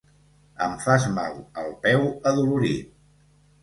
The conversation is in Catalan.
Em fas mal al peu adolorit.